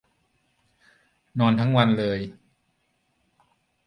นอนทั้งวันเลย